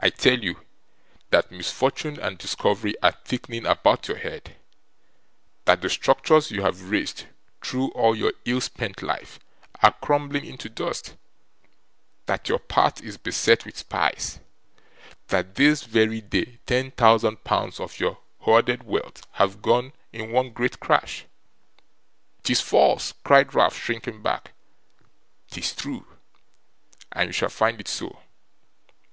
I tell you, that misfortune and discovery are thickening about your head; that the structures you have raised, through all your ill spent life, are crumbling into dust; that your path is beset with spies; that this very day, ten thousand pounds of your hoarded wealth have gone in one great crash!' ''Tis false!' cried Ralph, shrinking back. ''Tis true, and you shall find it so.